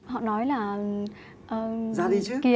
họ nói là